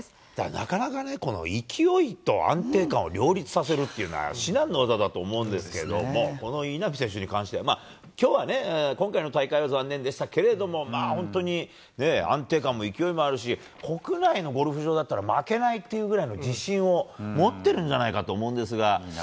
なかなか、勢いと安定感を両立させるっていうのは至難の業だと思うんですけれどもこの稲見選手に関しては今回の大会に関しては残念でしたけれども本当に安定感も勢いもあるし国内のゴルフ場だったら負けないというくらいの自信を持っているんじゃないかと思うんですが。